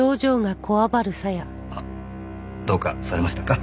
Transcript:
あっどうかされましたか？